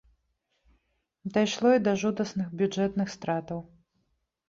Дайшло і да жудасных бюджэтных стратаў.